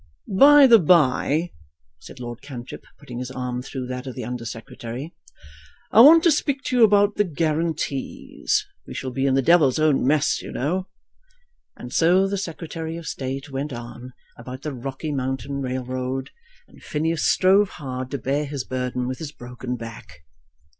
"By the bye," said Lord Cantrip, putting his arm through that of the Under Secretary, "I wanted to speak to you about the guarantees. We shall be in the devil's own mess, you know " And so the Secretary of State went on about the Rocky Mountain Railroad, and Phineas strove hard to bear his burden with his broken back.